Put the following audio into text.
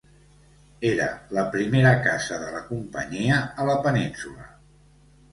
Era la primera Casa de la Companyia a la Península.